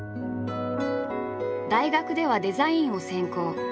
大学ではデザインを専攻。